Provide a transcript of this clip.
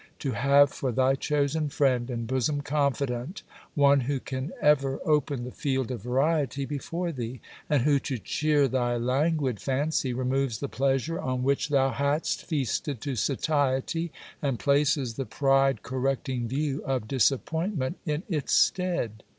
to have for thy chosen friend and bosom confidant, one who can ever open the field of variety before thee; and who, to cheer thy languid fancy, removes the pleasure on which thou hadst feasted to satiety, and places the pride correcting view of disappointment in its stead.